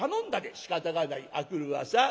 しかたがない明くる朝善六さん